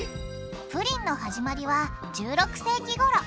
プリンの始まりは１６世紀ごろ。